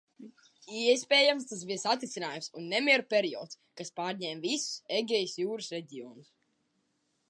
Iespējams tas bija satricinājumu un nemieru periods, kas pārņēma visus Egejas jūras reģionus.